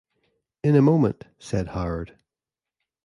“In a moment,” said Howard.